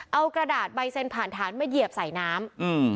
เอากระดาษใบเสร็จผ่านฐานมาเหยียบใส่น้ำ